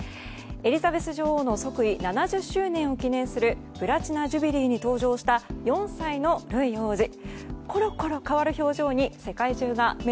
エリザベス女王の即位７０周年を記念するプラチナ・ジュビリーに登場した４歳のルイ王子。